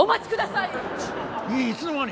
いいつの間に！？